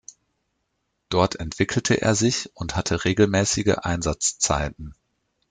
Dort entwickelte er sich und hatte regelmäßige Einsatzzeiten.